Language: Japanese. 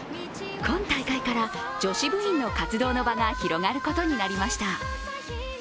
今大会から、女子部員の活動の場が広がることになりました。